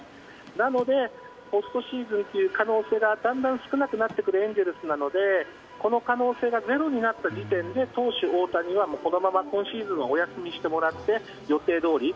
なので、ポストシーズンの可能性がだんだん少なくなってきたエンゼルスなのでこの可能性がゼロになった時点で投手・大谷はこのまま今シーズンはお休みしてもらって予定どおりに。